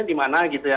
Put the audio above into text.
di mana gitu ya